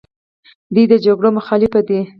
دوی د جګړو مخالف دي.